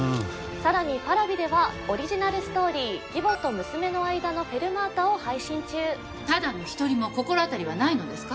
さらにＰａｒａｖｉではオリジナルストーリー「義母と娘の間のフェルマータ」を配信中ただの１人も心当たりはないのですか？